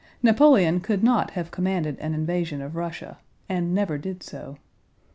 Napoleon could not have commanded an invasion of Russia and never did so.